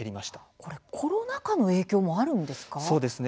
これコロナの影響もあるんですか。